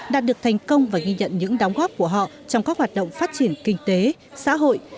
đạt được thành công và ghi nhận những đóng góp của họ trong các hoạt động phát triển kinh tế xã hội